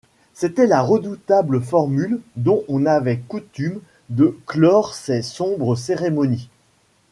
C’était la redoutable formule dont on avait coutume de clore ces sombres cérémonies.